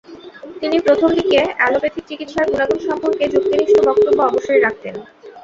তিনি প্রথমদিকে অ্যালোপ্যাথিক চিকিৎসার গুণাগুণ সম্পর্কে যুক্তিনিষ্ঠ বক্তব্য অবশ্যই রাখতেন।